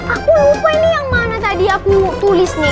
aku lupa ini yang mana tadi aku tulis nih